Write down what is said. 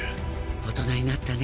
大人になったね。